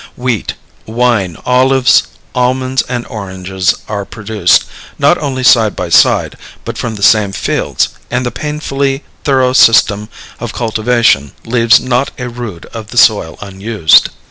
Wheat, wine, olives, almonds, and oranges are produced, not only side by side, but from the same fields, and the painfully thorough system of cultivation leaves not a rood of the soil unused.